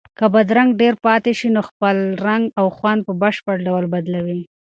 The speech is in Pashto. که بادرنګ ډېر پاتې شي نو خپل رنګ او خوند په بشپړ ډول بدلوي.